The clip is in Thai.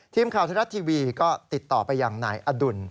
ทีมข่าวไทยรัฐทีวีก็ติดต่อไปยังนายอดุล